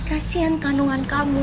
kasian kandungan kamu